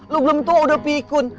lu belum tuh udah pikun